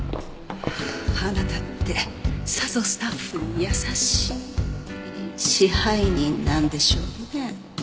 あなたってさぞスタッフに優しい支配人なんでしょうね。